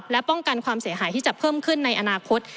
และป้องกันความเสียหายที่จะเพิ่มขึ้นในอนาคต